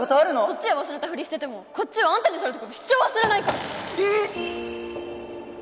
そっちは忘れたふりしててもこっちはあんたにされた事一生忘れないから！